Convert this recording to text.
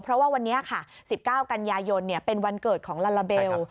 เพราะว่าวันนี้ค่ะ๑๙กันยายนเป็นวันเกิดของลาลาเบล